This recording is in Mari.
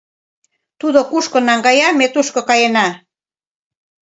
Тудо кушко наҥгая, ме тушко каена!